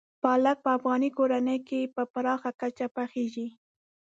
پالک په افغان کورنیو کې په پراخه کچه پخېږي.